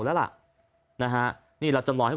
โปรดติดตามต่อไป